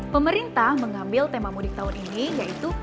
pemerintah mengambil tema mudik tahun ini yaitu